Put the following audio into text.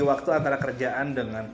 waktu antara kerjaan dengan